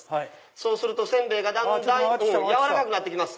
そうすると煎餅がだんだん軟らかくなって来ます。